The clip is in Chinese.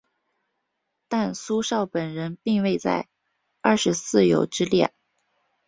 但苏绍本人未在二十四友之列。